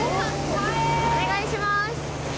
お願いします！